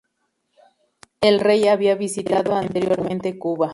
El Rey había visitado anteriormente Cuba.